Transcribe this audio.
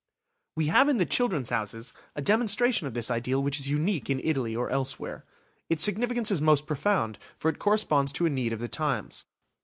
We have in the "Children's Houses" a demonstration of this ideal which is unique in Italy or elsewhere. Its significance is most profound, for it corresponds to a need of the times.